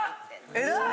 偉い！